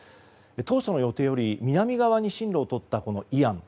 当初の予定より南側に進路をとったイアン。